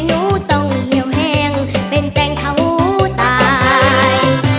หนูต้องเหี่ยวแห้งเป็นแตงเขาตาย